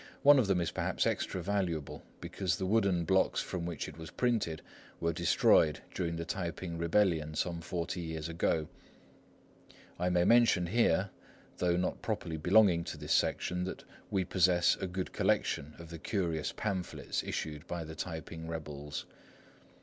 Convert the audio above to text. One of them is perhaps extra valuable because the wooden blocks from which it was printed were destroyed during the T'ai p'ing Rebellion, some forty years ago. I may mention here, though not properly belonging to this section, that we possess a good collection of the curious pamphlets issued by the T'ai p'ing rebels.